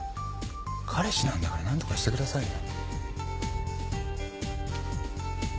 彼氏なんだから何とかしてくださいよ。